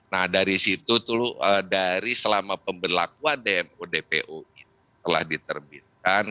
nah dari situ dari selama pemberlakuan dmo dpo telah diterbitkan